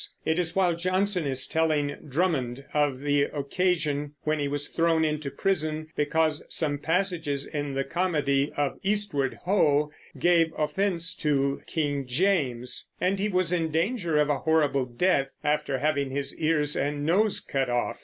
It is while Jonson is telling Drummond of the occasion when he was thrown into prison, because some passages in the comedy of Eastward Ho! gave offense to King James, and he was in danger of a horrible death, after having his ears and nose cut off.